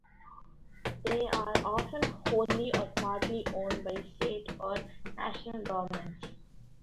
They are often wholly or partly owned by state or national governments.